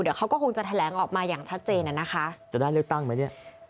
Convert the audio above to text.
เดี๋ยวเขาก็คงจะแถลงออกมาอย่างชัดเจนอ่ะนะคะจะได้เลือกตั้งไหมเนี่ย